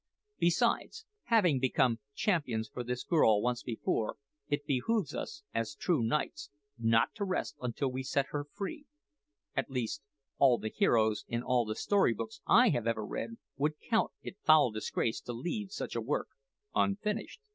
Besides, having become champions for this girl once before, it behoves us, as true knights, not to rest until we set her free; at least, all the heroes in all the story books I have ever read would count it foul disgrace to leave such a work unfinished."